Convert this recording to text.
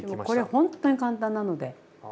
これほんとに簡単なので。